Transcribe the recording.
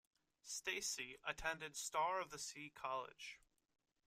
Stasey attended Star of the Sea College.